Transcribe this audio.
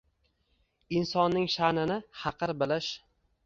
insonning sha’nini haqir bilish